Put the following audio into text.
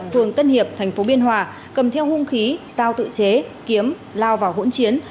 phường tân hiệp tp biên hòa cầm theo hung khí giao tự chế kiếm lao vào hỗn chiến